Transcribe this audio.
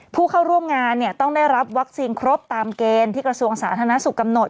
ผู้เข้าร่วมงานเนี่ยต้องได้รับวัคซีนครบตามเกณฑ์ที่กระทรวงสาธารณสุขกำหนด